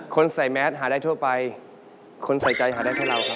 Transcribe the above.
ใส่แมสหาได้ทั่วไปคนใส่ใจหาได้เท่าเราครับ